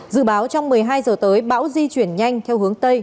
dự báo trong một mươi hai giờ tới bão di chuyển nhanh theo hướng tây